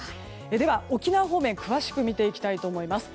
では、沖縄方面詳しく見ていきたいと思います。